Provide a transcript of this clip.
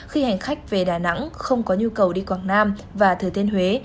khi hành khách về đà nẵng không có nhu cầu đi quảng nam và thừa thiên huế